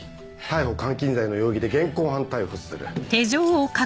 逮捕監禁罪の容疑で現行犯逮捕する。